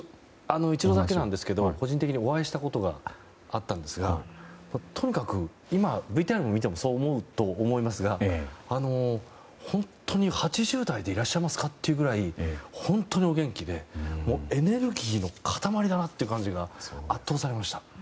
一度だけなんですけど個人的にお会いしたことがあったんですがとにかく今、ＶＴＲを見てもそう思うと思いますが本当に８０代でいらっしゃいますかというくらい本当にお元気でエネルギーの塊だなという感じに圧倒されました。